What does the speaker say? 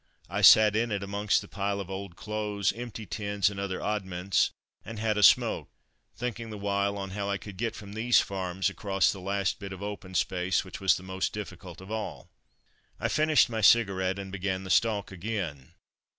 I sat in it amongst a pile of old clothes, empty tins and other oddments, and had a smoke, thinking the while on how I could get from these farms across the last bit of open space which was the most difficult of all. I finished my cigarette, and began the stalk again.